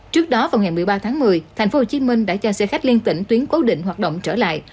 trước đó vào ngày một mươi ba tháng một mươi tp hcm đã cho xe khách liên tỉnh tuyến cố định hoạt động trở lại